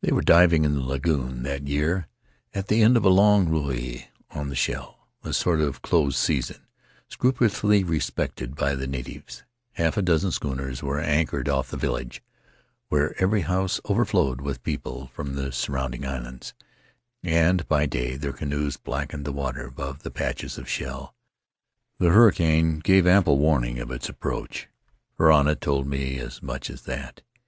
They were diving in the lagoon that year at the end of a long rahui on the shell — a sort of closed season, scrupulously respected by the natives; half a dozen schooners were anchored off the village, where every house overflowed with people from the surround ing islands, and by day their canoes blackened the water above the patches of shell. "The hurricane gave ample warning of its approach [2121 His Mother's People — Varana told me as much as that.